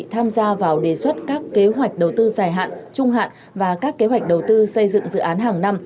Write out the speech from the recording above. tham gia vào đề xuất các kế hoạch đầu tư dài hạn trung hạn và các kế hoạch đầu tư xây dựng dự án hàng năm